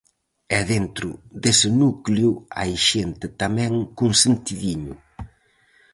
E dentro dese núcleo hai xente tamén con sentidiño.